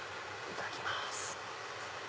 いただきます。